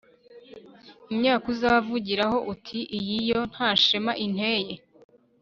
imyaka uzavugiraho uti iyi yo nta shema inteye